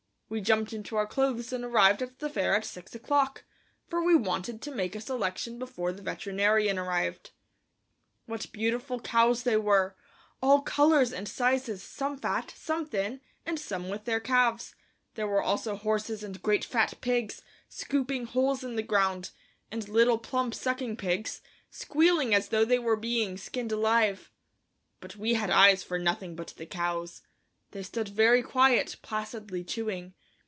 We jumped into our clothes and arrived at the fair at six o'clock, for we wanted to make a selection before the veterinarian arrived. What beautiful cows they were, ... all colors, and all sizes, some fat, some thin, and some with their calves; there were also horses and great fat pigs, scooping holes in the ground, and little plump sucking pigs, squealing as though they were being skinned alive. But we had eyes for nothing but the cows; they stood very quiet, placidly chewing.